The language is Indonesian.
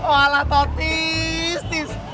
walah tau tis